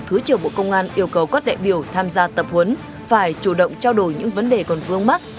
thứ trưởng bộ công an yêu cầu các đại biểu tham gia tập huấn phải chủ động trao đổi những vấn đề còn vương mắc